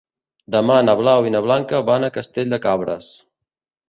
Demà na Blau i na Blanca van a Castell de Cabres.